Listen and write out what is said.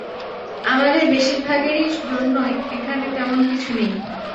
আমাদের বেশিরভাগের জন্যই এখানে তেমন কিছু নেই।